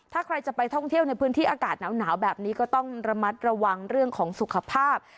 ถ้าใครจะไปท่องเที่ยวในพื้นที่อากาศหนาวแบบนี้ก็ต้องระมัดระวังเรื่องของสุขภาพ